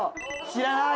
知らない？」